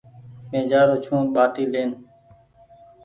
مين جآرو ڇون ٻآٽي لين ۔